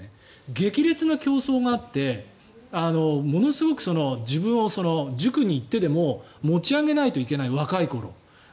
激烈な競争があってものすごく自分を塾に行ってでも持ち上げないといけない若い頃。